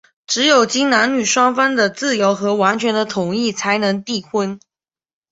只有经男女双方的自由和完全的同意,才能缔婚。